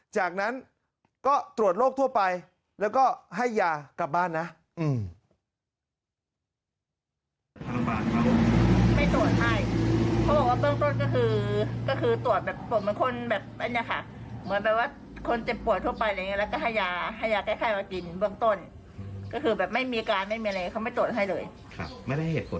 จากนั้นก็ตรวจโรคทั่วไปแล้วก็ให้ยากลับบ้านนะ